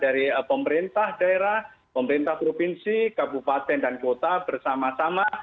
dari pemerintah daerah pemerintah provinsi kabupaten dan kota bersama sama